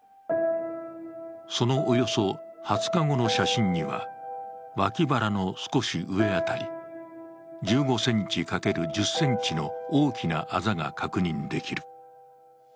そのおよそ２０日後の写真には、脇腹の少し上辺り、１５ｃｍ×１０ｃｍの大きなあざが確認できる。